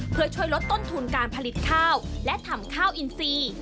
เพื่อช่วยลดต้นทุนการผลิตข้าวและทำข้าวอินซี